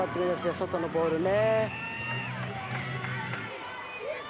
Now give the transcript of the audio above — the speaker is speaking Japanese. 外のボールね。